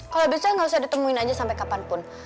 kalau bisa nggak usah ditemuin aja sampai kapanpun